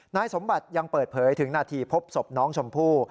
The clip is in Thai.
นายสมบัติยังเปิดเผยถึงนาทีพบศพน้องชมพู่